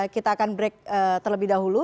kita akan break terlebih dahulu